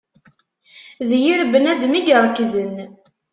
D yir bnadem i iṛekzen.